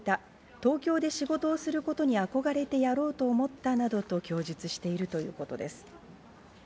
東京で仕事をすることに憧れてやろうと思ったなどと供述しているということです。